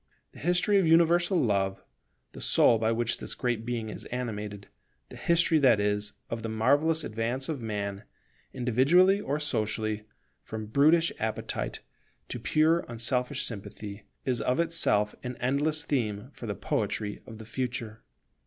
The history of universal Love, the soul by which this Great Being is animated; the history, that is, of the marvellous advance of man, individually or socially, from brutish appetite to pure unselfish sympathy, is of itself an endless theme for the poetry of the future.